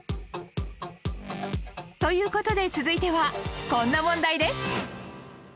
という事で続いてはこんな問題です